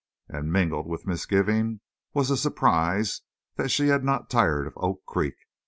And mingled with misgiving was a surprise that she had not tired of Oak Creek.